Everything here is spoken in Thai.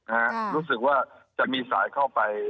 รู้สึกว่าจะมีสายเข้าไป